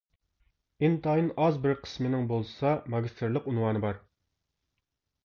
ئىنتايىن ئاز بىر قىسمىنىڭ بولسا ماگىستىرلىق ئۇنۋانى بار.